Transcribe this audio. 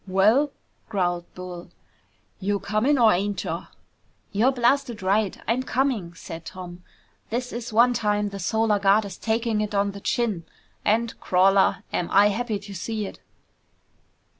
"Well?" growled Bull. "You coming or ain't cha?" "You're blasted right I'm coming," said Tom. "This is one time the Solar Guard is taking it on the chin. And, crawler, am I happy to see it!"